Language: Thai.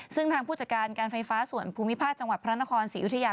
ซึ่งทางผู้จัดการการไฟฟ้าส่วนภูมิภาคจังหวัดพระนครศรีอยุธยา